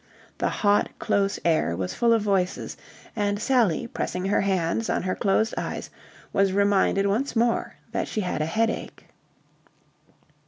The hot, close air was full of voices; and Sally, pressing her hands on her closed eyes, was reminded once more that she had a headache.